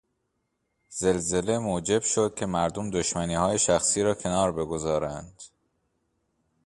زلزله موجب شد که مردم دشمنیهای شخصی را کنار بگذارند.